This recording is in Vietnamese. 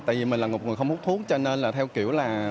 tại vì mình là một người không hút thuốc cho nên là theo kiểu là